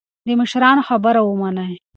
د مشرانو خبره ومنئ.